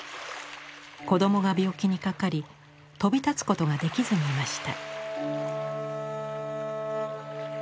子どもが病気にかかり飛び立つことができずにいました。